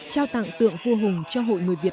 trao tặng tượng vua hùng cho hội người việt